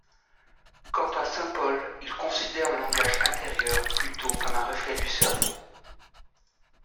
Quant à Saint-Paul, il considère le langage intérieur plutôt comme un reflet du cerveau.